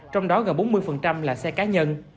trong đó gần bốn mươi là xe cá nhân